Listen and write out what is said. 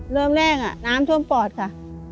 เริ่มแรกน้ำท่วมปอดค่ะ